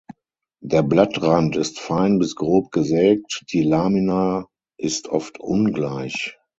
Der Blattrand ist fein bis grob gesägt, die Lamina ist oft ungleich.